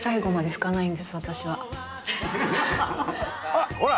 あっほら！